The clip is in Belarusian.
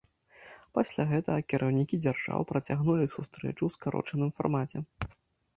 Пасля гэтага кіраўнікі дзяржаў працягнулі сустрэчу ў скарочаным фармаце.